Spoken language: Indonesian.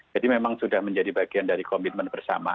jadi memang sudah menjadi bagian dari komitmen bersama